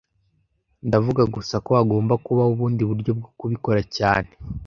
Ndavuga gusa ko hagomba kubaho ubundi buryo bwo kubikora cyane